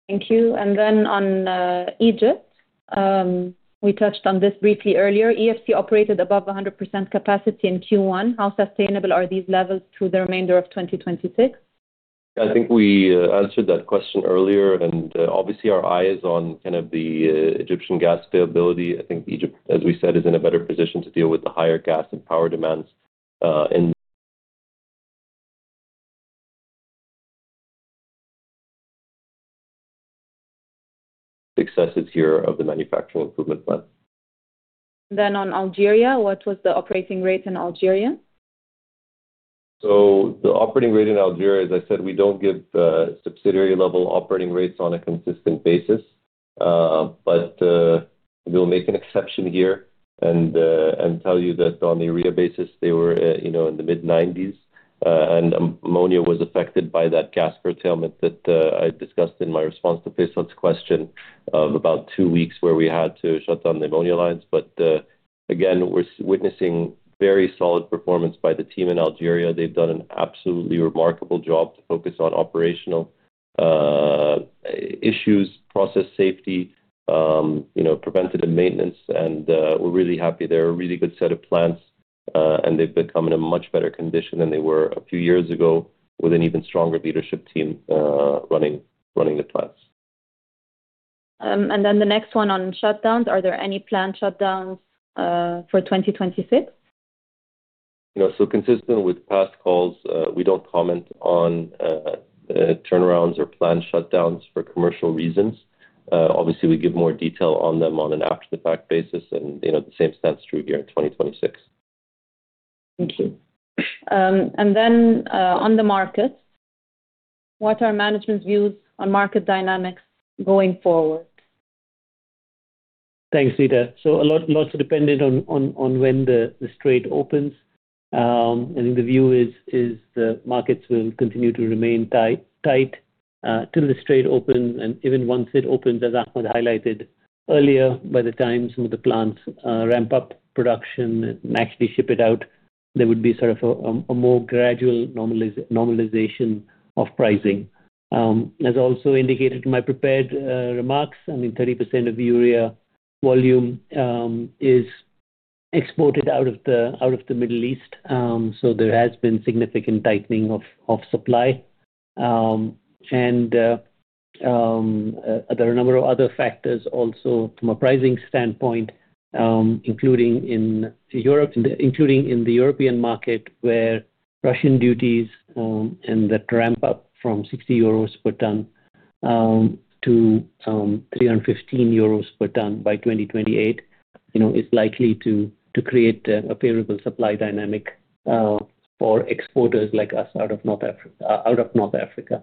Thank you. Then on Egypt, we touched on this briefly earlier. EFC operated above 100% capacity in Q1. How sustainable are these levels through the remainder of 2026? I think we answered that question earlier. Obviously our eye is on kind of the Egyptian gas availability. I think Egypt, as we said, is in a better position to deal with the higher gas and power demands, in successes here of the Manufacturing Improvement Plan. On Algeria, what was the operating rate in Algeria? The operating rate in Algeria, as I said, we don't give subsidiary level operating rates on a consistent basis. We'll make an exception here and tell you that on the urea basis they were, you know, in the mid-90s%. Ammonia was affected by that gas curtailment that I discussed in my response to Faisal's question of about two weeks where we had to shut down the ammonia lines. Again, we're witnessing very solid performance by the team in Algeria. They've done an absolutely remarkable job to focus on operational issues, process safety, you know, preventative maintenance, and we're really happy. They're a really good set of plants, and they've become in a much better condition than they were a few years ago with an even stronger leadership team running the plants. The next one on shutdowns. Are there any planned shutdowns for 2026? You know, consistent with past calls, we don't comment on turnarounds or planned shutdowns for commercial reasons. Obviously, we give more detail on them on an after-the-fact basis and, you know, the same stands true here in 2026. Thank you. On the markets, what are management's views on market dynamics going forward? Thanks, Rita. A lot, lots dependent on when the strait opens. The view is the markets will continue to remain tight till the strait opens, and even once it opens, as Ahmed highlighted earlier, by the time some of the plants ramp up production and actually ship it out, there would be sort of a more gradual normalization of pricing. As I also indicated in my prepared remarks, I mean, 30% of urea volume is exported out of the Middle East. There has been significant tightening of supply. There are a number of other factors also from a pricing standpoint, including in the European market, where Russian duties, and the ramp up from 60 euros per ton to 315 euros per ton by 2028, you know, is likely to create a favorable supply dynamic for exporters like us out of North Africa.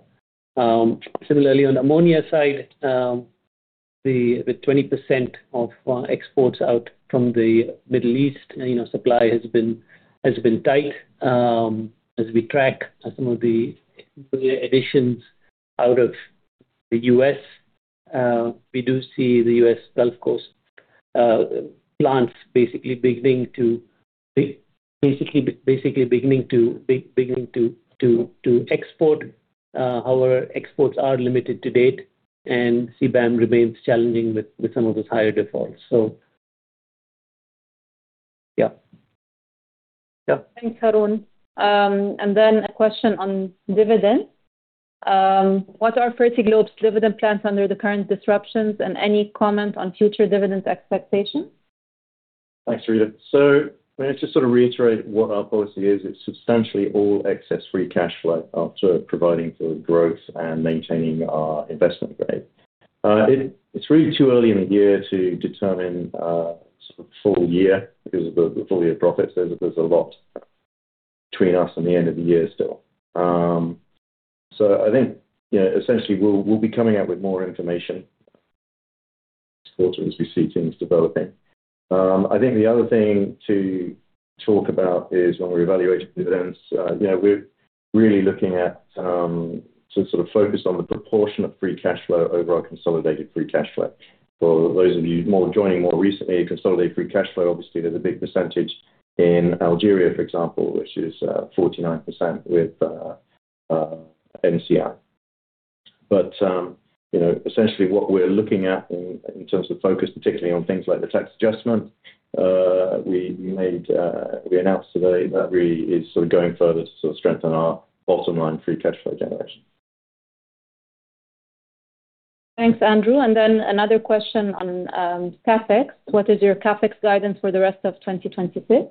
Similarly, on the ammonia side, the 20% of exports out from the Middle East, you know, supply has been tight. As we track some of the additions out of the U.S., we do see the U.S. Gulf Coast plants basically beginning to export. However, exports are limited to date, and CBAM remains challenging with some of those higher defaults. Yeah. Yeah. Thanks, Haroon. A question on dividends. What are Fertiglobe's dividend plans under the current disruptions, and any comment on future dividend expectations? Thanks, Rita. Let's reiterate what our policy is. It's substantially all excess free cash flow after providing for growth and maintaining our investment grade. It's really too early in the year to determine full year because of the full year profits. There's a lot between us and the end of the year still. I think, you know, essentially, we'll be coming out with more information quarters as we see things developing. I think the other thing to talk about is when we evaluate dividends, you know, we're really looking at to focus on the proportion of free cash flow over our consolidated free cash flow. For those of you joining more recently, consolidated free cash flow, obviously there's a big percentage in Algeria, for example, which is 49% with NCI. You know, essentially what we're looking at in terms of focus, particularly on things like the tax adjustment, we made, we announced today that really is sort of going further to sort of strengthen our bottom line free cash flow generation. Thanks, Andrew. Another question on CapEx. What is your CapEx guidance for the rest of 2026?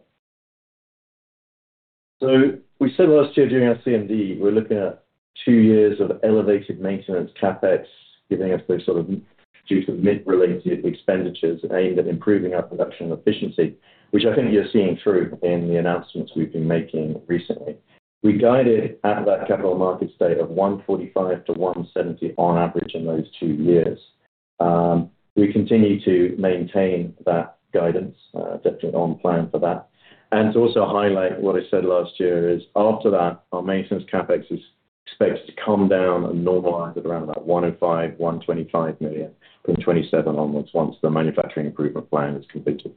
We said last year during our CMD, we're looking at two years of elevated maintenance CapEx, giving us the sort of juice of mid-related expenditures aimed at improving our production efficiency, which I think you're seeing through in the announcements we've been making recently. We guided at that capital markets day of $145 million-$170 million on average in those two years. We continue to maintain that guidance, definitely on plan for that. To also highlight what I said last year is after that, our maintenance CapEx is expected to come down and normalize at around about $105 million-$125 million in 2027 onwards once the Manufacturing Improvement Plan is completed.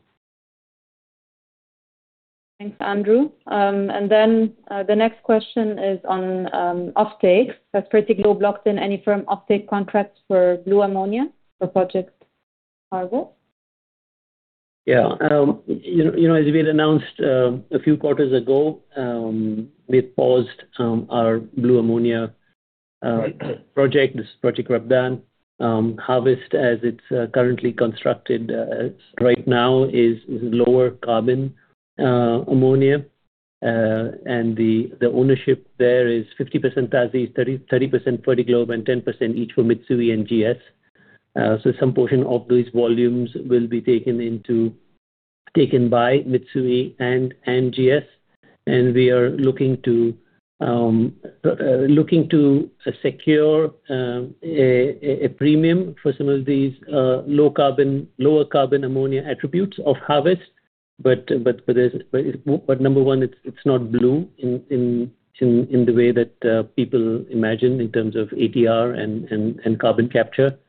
Thanks, Andrew. The next question is on offtake. Has Fertiglobe locked in any firm offtake contracts for blue ammonia for projects cargo? Yeah. You know, as we announced, a few quarters ago, we've paused our blue ammonia project, this project we've done. Harvest as it's currently constructed right now is lower carbon ammonia. The ownership there is 50% TA'ZIZ, 30% Fertiglobe, and 10% each for Mitsui and GS. Some portion of those volumes will be taken by Mitsui and GS, we are looking to secure a premium for some of these lower carbon ammonia attributes of Harvest. It's number one, it's not blue in the way that people imagine in terms of ATR and carbon capture.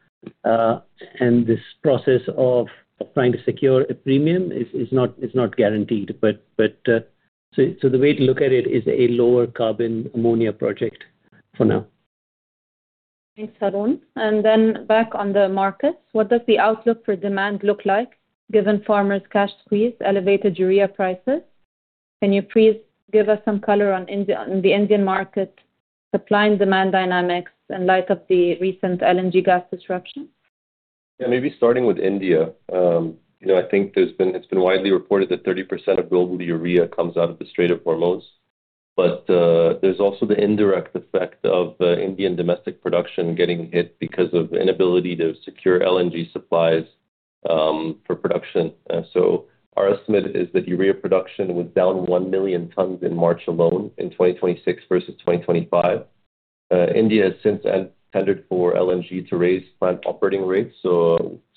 This process of trying to secure a premium is not guaranteed. The way to look at it is a lower carbon ammonia project for now. Thanks, Haroon. Back on the markets, what does the outlook for demand look like given farmers' cash squeeze, elevated urea prices? Can you please give us some color on the Indian market supply and demand dynamics in light of the recent LNG gas disruption? Yeah, maybe starting with India. You know, I think it's been widely reported that 30% of global urea comes out of the Strait of Hormuz. There's also the indirect effect of Indian domestic production getting hit because of inability to secure LNG supplies for production. Our estimate is that urea production was down 1 million tons in March alone in 2026 versus 2025. India has since had tendered for LNG to raise plant operating rates.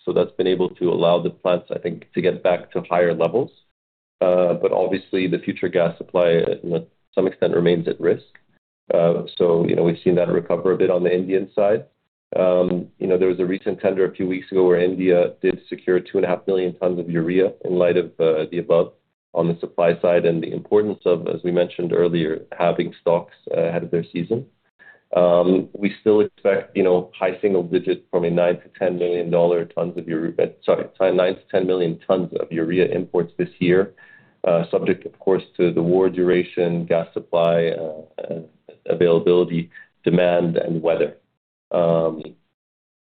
That's been able to allow the plants, I think, to get back to higher levels. Obviously the future gas supply to some extent remains at risk. You know, we've seen that recover a bit on the Indian side. You know, there was a recent tender a few weeks ago where India did secure 2.5 million tons of urea in light of the above on the supply side and the importance of, as we mentioned earlier, having stocks ahead of their season. We still expect, you know, high single digits from a 9 million-10 million tons of urea imports this year, subject of course to the war duration, gas supply, availability, demand and weather.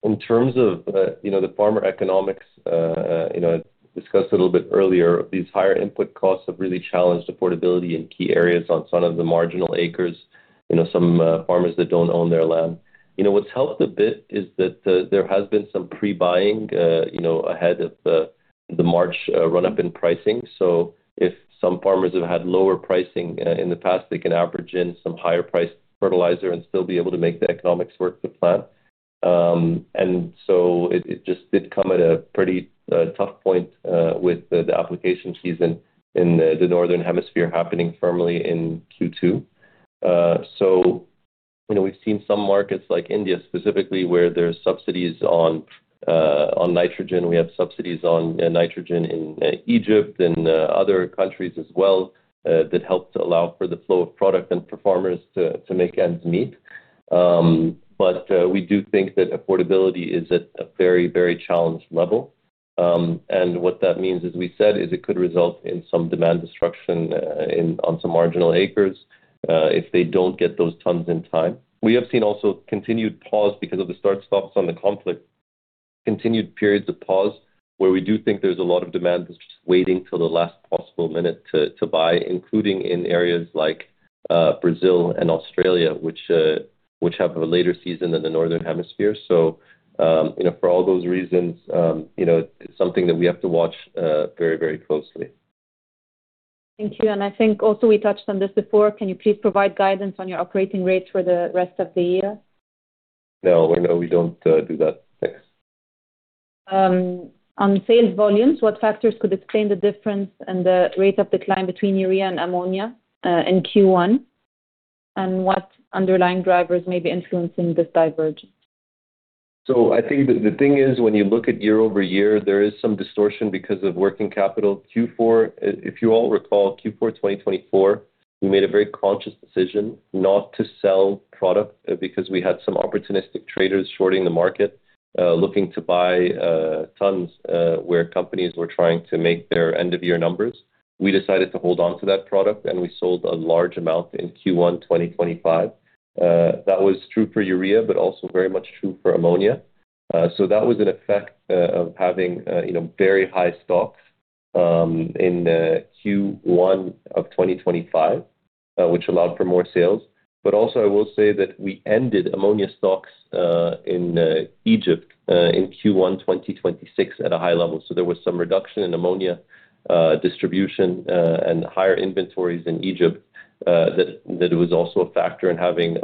In terms of, you know, the farmer economics, you know, discussed a little bit earlier, these higher input costs have really challenged affordability in key areas on some of the marginal acres, you know, some farmers that don't own their land. You know, what's helped a bit is that there has been some pre-buying, you know, ahead of the March run-up in pricing. If some farmers have had lower pricing in the past, they can average in some higher priced fertilizer and still be able to make the economics work to plant. It just did come at a pretty tough point with the application season in the northern hemisphere happening firmly in Q2. You know, we've seen some markets like India specifically, where there's subsidies on nitrogen. We have subsidies on nitrogen in Egypt and other countries as well that help to allow for the flow of product and for farmers to make ends meet. We do think that affordability is at a very, very challenged level. What that means, as we said, is it could result in some demand destruction on some marginal acres if they don't get those tons in time. We have seen also continued pause because of the start, stops on the conflict. Continued periods of pause where we do think there's a lot of demand that's just waiting till the last possible minute to buy, including in areas like Brazil and Australia, which have a later season than the northern hemisphere. You know, for all those reasons, you know, it's something that we have to watch very, very closely. Thank you. I think also we touched on this before. Can you please provide guidance on your operating rates for the rest of the year? No. No, we don't do that. Thanks. On sales volumes, what factors could explain the difference and the rate of decline between urea and ammonia in Q1? What underlying drivers may be influencing this divergence? I think the thing is, when you look at year-over-year, there is some distortion because of working capital. Q4. If you all recall Q4 2024, we made a very conscious decision not to sell product because we had some opportunistic traders shorting the market, looking to buy tons, where companies were trying to make their end-of-year numbers. We decided to hold onto that product, and we sold a large amount in Q1 2025. That was true for urea, but also very much true for ammonia. That was an effect of having, you know, very high stocks in Q1 of 2025, which allowed for more sales. Also I will say that we ended ammonia stocks in Egypt in Q1 2026 at a high level. There was some reduction in ammonia, distribution, and higher inventories in Egypt, that was also a factor in having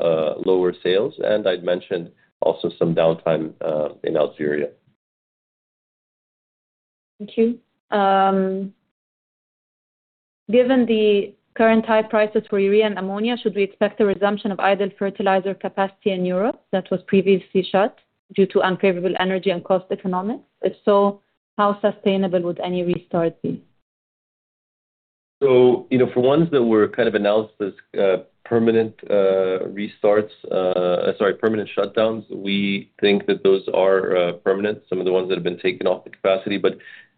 lower sales. I'd mentioned also some downtime in Algeria. Thank you. Given the current high prices for urea and ammonia, should we expect a resumption of idle fertilizer capacity in Europe that was previously shut due to unfavorable energy and cost economics? If so, how sustainable would any restart be? You know, for ones that were kind of announced as permanent shutdowns, we think that those are permanent, some of the ones that have been taken off the capacity.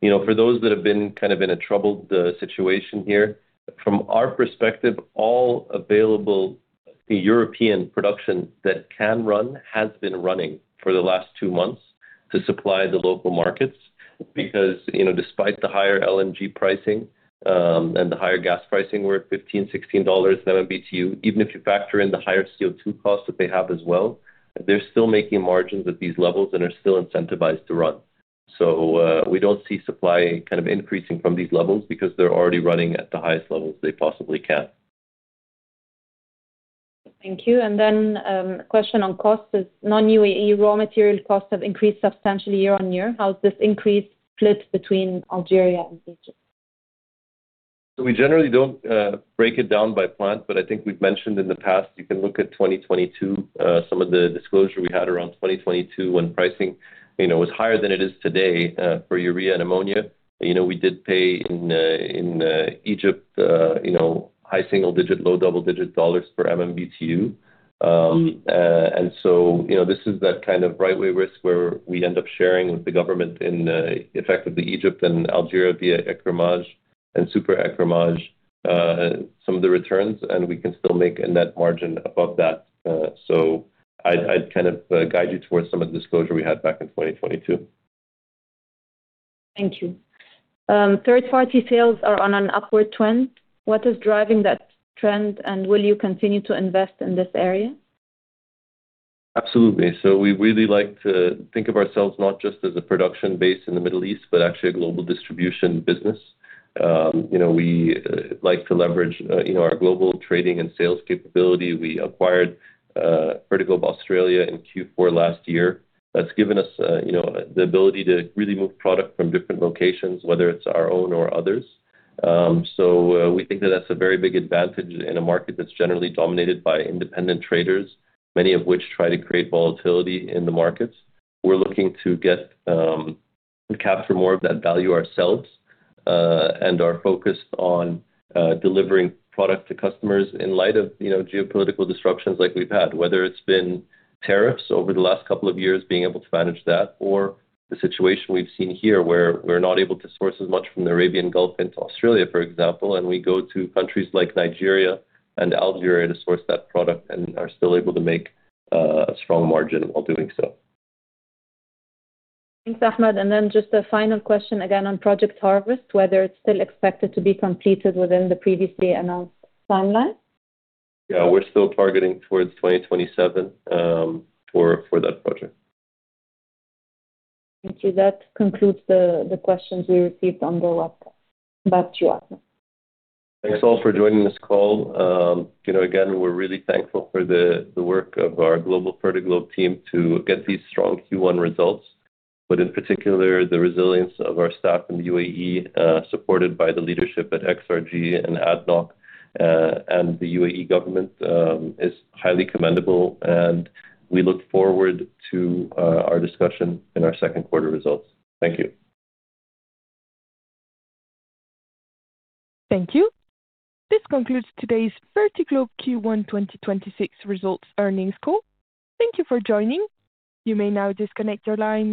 You know, for those that have been kind of in a troubled situation here, from our perspective, all available European production that can run has been running for the last two months to supply the local markets. You know, despite the higher LNG pricing and the higher gas pricing, we're at $15 per MMBtu-$16 per MMBtu. Even if you factor in the higher CO2 costs that they have as well, they're still making margins at these levels and are still incentivized to run. We don't see supply kind of increasing from these levels because they're already running at the highest levels they possibly can. Thank you. Then, a question on costs. Non-U.A.E. raw material costs have increased substantially year-on-year. How does this increase split between Algeria and Egypt? We generally don't break it down by plant, but I think we've mentioned in the past, you can look at 2022, some of the disclosure we had around 2022 when pricing, you know, was higher than it is today, for urea and ammonia. You know, we did pay in Egypt, you know, high single-digit, low double-digit dollars per MMBtu. You know, this is that kind of right way risk where we end up sharing with the government in effectively Egypt and Algeria via écrémage and super écrémage, some of the returns, and we can still make a net margin above that. I'd kind of guide you towards some of the disclosure we had back in 2022. Thank you. Third-party sales are on an upward trend. What is driving that trend, and will you continue to invest in this area? Absolutely. We really like to think of ourselves not just as a production base in the Middle East, but actually a global distribution business. You know, we like to leverage, you know, our global trading and sales capability. We acquired Fertiglobe Australia in Q4 last year. That's given us, you know, the ability to really move product from different locations, whether it's our own or others. We think that that's a very big advantage in a market that's generally dominated by independent traders, many of which try to create volatility in the markets. We're looking to get, capture more of that value ourselves, and are focused on delivering product to customers in light of, you know, geopolitical disruptions like we've had. Whether it's been tariffs over the last couple of years, being able to manage that, or the situation we've seen here, where we're not able to source as much from the Arabian Gulf into Australia, for example, and we go to countries like Nigeria and Algeria to source that product and are still able to make a strong margin while doing so. Thanks, Ahmed. Then just a final question again on Project Harvest, whether it's still expected to be completed within the previously announced timeline? Yeah. We're still targeting towards 2027 for that project. Thank you. That concludes the questions we received on the webcast. Back to you, Ahmed. Thanks all for joining this call. you know, again, we're really thankful for the work of our global Fertiglobe team to get these strong Q1 results. In particular, the resilience of our staff in the U.A.E., supported by the leadership at XRG and ADNOC, and the U.A.E. government, is highly commendable, and we look forward to our discussion in our second quarter results. Thank you. Thank you. This concludes today's Fertiglobe Q1 2026 results earnings call. Thank you for joining. You may now disconnect your line.